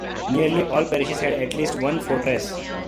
Nearly all parishes had at least one fortress.